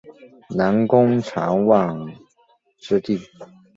南宫长万之弟。